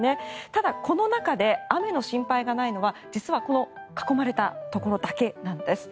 ただ、この中で雨の心配がないのは実はこの囲まれたところだけなんです。